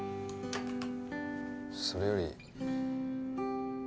それより。